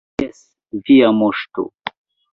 Jes, Via Moŝto.